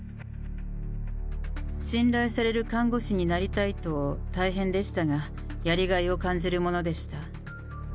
信頼される看護師になりたいと、大変でしたが、やりがいを感じるものでした。